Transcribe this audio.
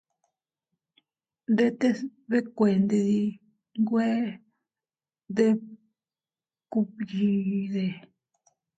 ¡Ndetes nbekuended dii nwe deb kugbyiʼide!